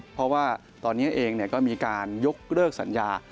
เพราะว่าตอนนี้เองก็มีการยกเลิกสัญญา